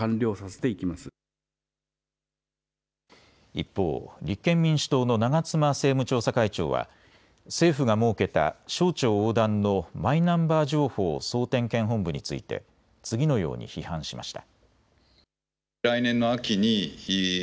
一方、立憲民主党の長妻政務調査会長は政府が設けた省庁横断のマイナンバー情報総点検本部について次のように批判しました。